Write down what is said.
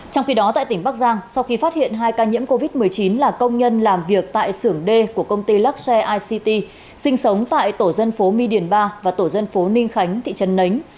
trong khi đó tại tỉnh bắc giang sau khi phát hiện hai ca nhiễm covid một mươi chín là công nhân làm việc tại sưởng d của công ty luxe ict sinh sống tại tổ dân phố my điền ba và tổ dân phố ninh khánh thị trấn nấnh